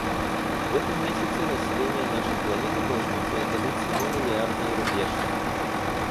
В этом месяце население нашей планеты должно преодолеть семи миллиардный рубеж.